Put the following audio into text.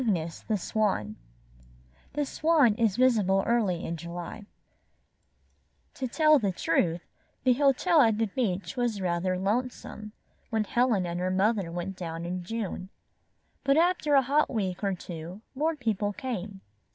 CYGNUS, THE SWAN The Swan is visible early in July To tell the truth, the hotel at the beach was rather lonesome, when Helen and her mother went down in June. But after a hot week or two, more people came.